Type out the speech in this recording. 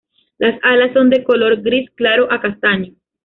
Las alas son de color gris claro a castaño.